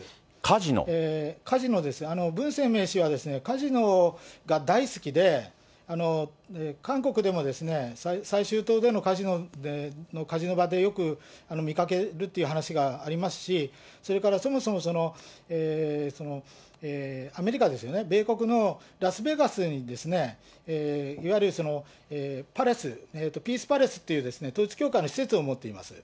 カジノです、文鮮明氏はカジノが大好きで、韓国でも済州島でのカジノ場でよく見かけるという話がありますし、それからそもそも、アメリカですよね、米国のラスベガスにですね、いわゆる、パレス、ピース・パレスっていう統一教会の施設を持っています。